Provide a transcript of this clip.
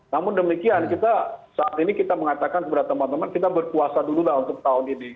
namun demikian kita saat ini kita mengatakan kepada teman teman kita berpuasa dulu lah untuk tahun ini